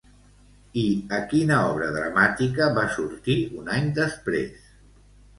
I a quina obra dramàtica va sortir un any després?